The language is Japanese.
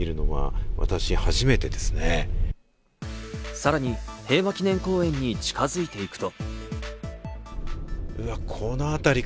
さらに平和記念公園に近づいていくと。